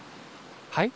はい？